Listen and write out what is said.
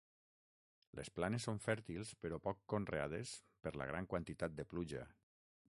Les planes són fèrtils però poc conreades per la gran quantitat de pluja.